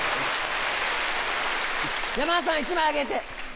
山田さん１枚あげて。